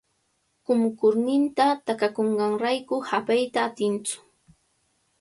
Qunqurninta takakunqanrayku hapayta atintsu.